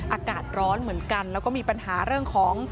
อากาศร้อนเหมือนกันแล้วก็มีปัญหาเรื่องของ